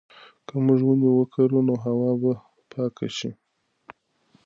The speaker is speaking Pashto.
که موږ ونې وکرو نو هوا به پاکه شي.